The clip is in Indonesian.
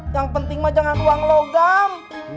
yang penting mah jangan uang logam